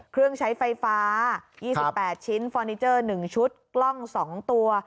เครื่องใช้ไฟฟ้า๒๘ชิ้นฟอร์นิเจอร์๑ชุดกล้อง๒ตัว